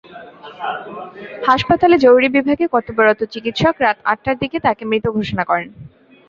হাসপাতালে জরুরি বিভাগে কর্তব্যরত চিকিৎসক রাত আটটার দিকে তাঁকে মৃত ঘোষণা করেন।